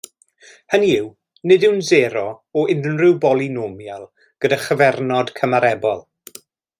Hynny yw, nid yw'n sero o unrhyw bolynomial gyda chyfernod cymarebol.